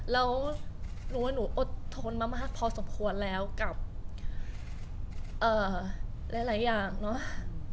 แล้วหนูว่าหนูอดทนมามากพอสมควรแล้วกับหลายอย่างเนอะ